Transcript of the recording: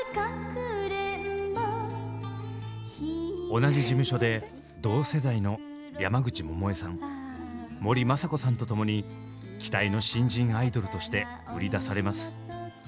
同じ事務所で同世代の山口百恵さん森昌子さんとともに期待の新人アイドルとして売り出されます。